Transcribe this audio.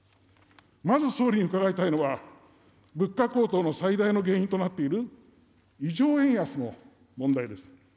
まず総理に伺いたいのは、物価高騰の最大の原因となっている異常円安の問題です。